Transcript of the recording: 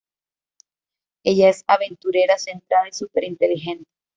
Ella es aventurera, centrada y súper inteligente.